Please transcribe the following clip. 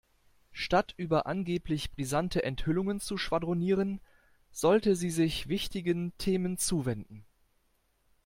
Statt über angeblich brisante Enthüllungen zu schwadronieren, sollte sie sich wichtigen Themen zuwenden.